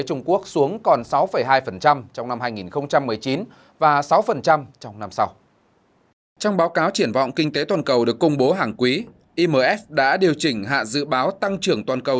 trong báo cáo triển vọng kinh tế toàn cầu được công bố hàng quý imf đã điều chỉnh hạ dự báo tăng trưởng toàn cầu